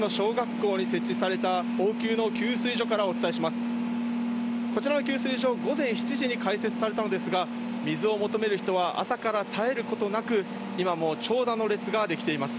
こちらの給水所、午前７時に開設されたんですが、水を求める人は朝から絶えることなく、今も長蛇の列が出来ています。